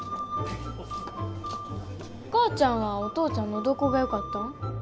お母ちゃんはお父ちゃんのどこがよかったん？